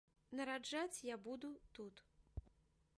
Нараджаць я буду тут.